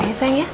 ya ya sayang ya